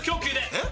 えっ？